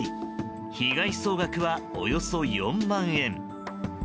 被害総額はおよそ４万円。